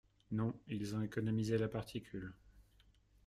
Non, ils ont économisé la particule.